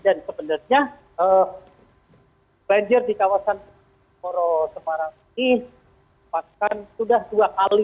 dan sebenarnya banjir di kawasan koro semarang ini paskan sudah dua kali